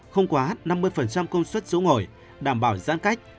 không quá năm mươi công suất chỗ ngồi đảm bảo giãn cách